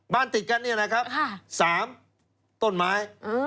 บ้านติดกันนี่แหละครับสามต้นไม้